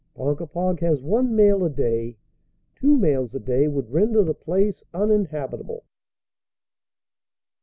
Ponkapog has one mail a day; two mails a day would render the place uninhabitable.